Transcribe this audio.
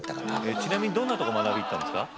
ちなみにどんなとこ学びに行ったんですか？